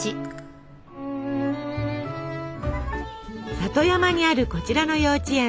里山にあるこちらの幼稚園。